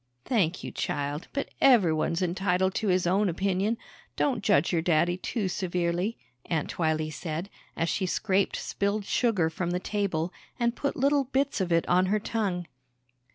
"Thank you, child, but everyone's entitled to his own opinion. Don't judge your daddy too severely," Aunt Twylee said as she scraped spilled sugar from the table and put little bits of it on her tongue.